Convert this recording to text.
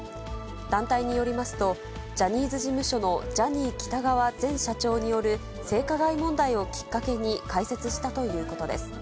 団体によりますと、ジャニーズ事務所のジャニー喜多川前社長による性加害問題をきっかけに開設したということです。